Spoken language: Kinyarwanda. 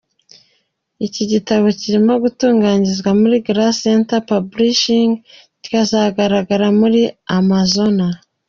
Iki gitabo kiri gutunganyirzwa muri Grand Central Publishing, kikazagaragara kuri Amazon.